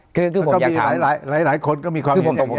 ก็มีหลายคนก็มีความเห็นอย่างนี้